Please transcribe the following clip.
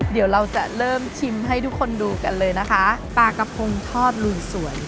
เดี๋ยวเราจะเริ่มชิมให้ทุกคนดูกันเลยนะคะปลากระพงทอดลุนสวย